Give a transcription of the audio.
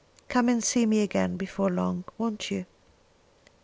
Come and see me again before long; won't you?"